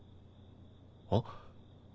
あっ！